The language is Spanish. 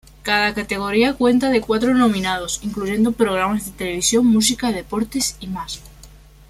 Cada categoría cuenta de cuatro nominados, incluyendo programas de televisión, música, deportes y más.